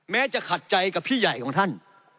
จะขัดใจกับพี่ใหญ่ของท่าน